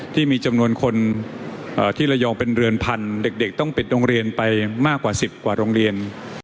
ที่มีจำนวนคนที่ระยองเป็นเรือนพันเด็กต้องปิดโรงเรียนไปมากกว่า๑๐กว่าโรงเรียน